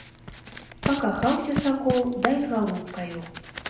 Пакахаўся сакол дай з галубкаю.